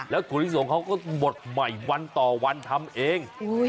แล้วถั่วลิสงเขาก็บดใหม่วันต่อวันทำเองอุ้ย